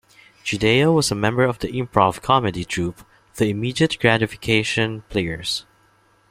Chideya was a member of the improv comedy troupe The Immediate Gratification Players.